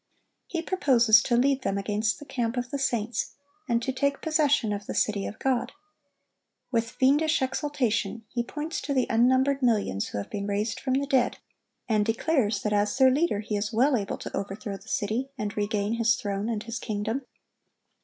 He proposes to lead them against the camp of the saints, and to take possession of the city of God. With fiendish exultation he points to the unnumbered millions who have been raised from the dead, and declares that as their leader he is well able to overthrow the city, and regain his throne and his kingdom.